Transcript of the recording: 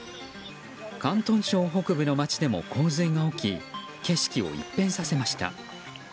広東省北部の町でも洪水が起き景色を一変させました。